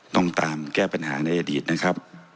ต้องตามแก้ปัญหาในอดีตนะครับ